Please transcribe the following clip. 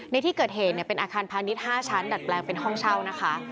ในที่เกิดเหตุเป็นอาคารพาณิชย์๕ชั้นดัดแปลงเป็นห้องเช่านะคะ